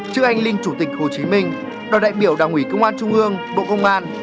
trước anh linh chủ tịch hồ chí minh đoàn đại biểu đảng ủy công an trung ương bộ công an